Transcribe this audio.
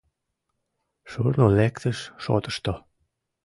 — Шурно лектыш шотышто.